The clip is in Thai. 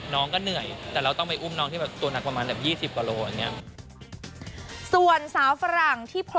เพราะว่าคนหนึ่งอุ้มได้มันผ่านแต่๕นาที